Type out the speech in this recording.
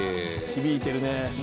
響いてるね。